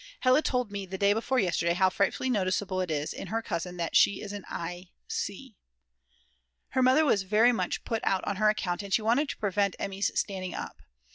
Hella told me the day before yesterday how frightfully noticeable it is in her cousin that she is in an i c ! Her mother was very much put out on her account and she wanted to prevent Emmy's standing up.